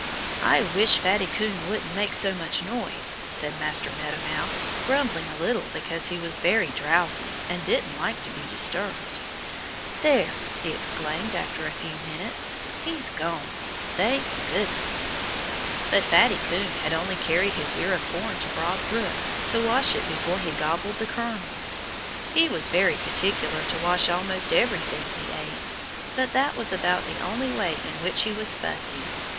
"I wish Fatty Coon wouldn't make so much noise," said Master Meadow Mouse, grumbling a little because he was very drowsy and didn't like to be disturbed. "There!" he exclaimed after a few moments. "He's gone, thank goodness!" But Fatty Coon had only carried his ear of corn to Broad Brook, to wash it before he gobbled the kernels. He was very particular to wash almost everything he ate. But that was about the only way in which he was fussy.